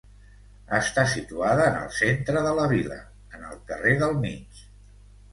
Està situada en el centre de la vila, en el carrer del Mig.